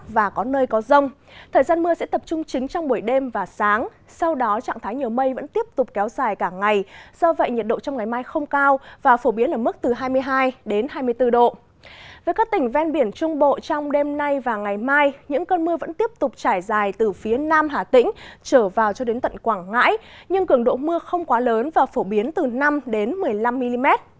với các tỉnh ven biển trung bộ trong đêm nay và ngày mai những cơn mưa vẫn tiếp tục trải dài từ phía nam hà tĩnh trở vào cho đến tận quảng ngãi nhưng cường độ mưa không quá lớn và phổ biến từ năm đến một mươi năm mm